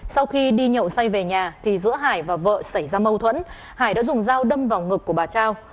sau khi đi nhậu say về nhà thì giữa hải và vợ xảy ra mâu thuẫn hải đã dùng dao đâm vào ngực của bà trao